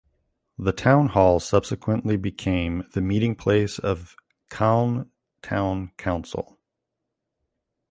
The town hall subsequently became the meeting place of Calne Town Council.